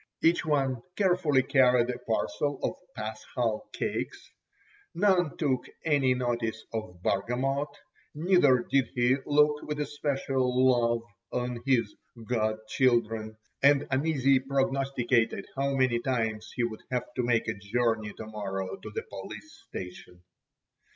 Each one carefully carried a parcel of paschal cakes. None took any notice of Bargamot, neither did he look with especial love on his "god children," and uneasily prognosticated how many times he would have to make a journey to morrow to the police station.